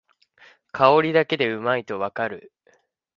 香りだけでうまいとわかる